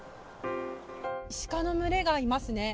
シカの群れがいますね。